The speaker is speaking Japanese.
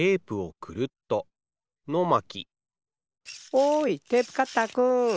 おいテープカッターくん。